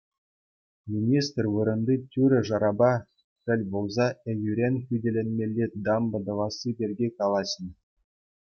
Министр вырӑнти тӳре-шарапа тӗл пулса ейӳрен хӳтӗленмелли дамба тӑвасси пирки калаҫнӑ.